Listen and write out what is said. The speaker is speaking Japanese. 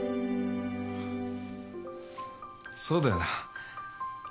そうだよな。